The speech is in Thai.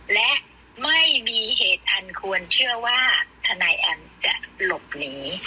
และไม่มีเหตุอันควรเชื่อว่าทนายแอมจะหลบหนี